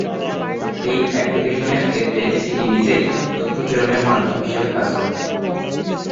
এই অ্যাপ্লিকেশনের ক্ষেত্রে সিডি নিজেই তথ্য প্রেরণের মাধ্যম হিসেবে কাজ করে।